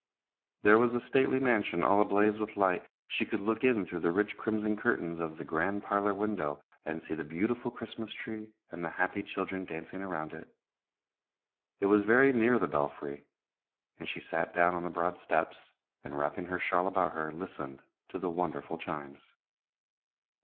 There was the stately mansion all ablaze with light. She could look in through the rich crimson curtains of the grand parlor window, and see the beautiful Christmas tree, and the happy children dancing around it. It was very near the belfry, and she sat down on the broad steps, and, wrapping her shawl about her, listened to the wonderful chimes.